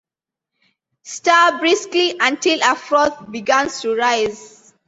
Stir briskly until a froth begins to rise.